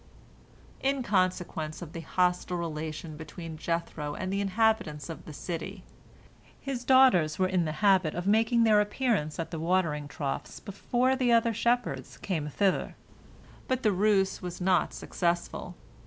In consequence of the hostile relation between Jethro and the inhabitants of the city, his daughters were in the habit of making their appearance at the watering troughs before the other shepherds came thither. But the ruse was not successful.